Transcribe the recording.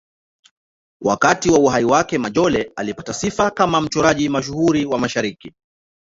Wakati wa uhai wake, Majolle alipata sifa kama mchoraji mashuhuri wa Mashariki.